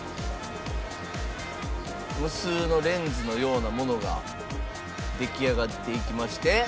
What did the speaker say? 無数のレンズのようなものが出来上がっていきまして。